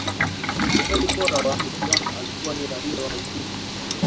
mfungaji bora wa michuano alikuwa ni raia wa uswisi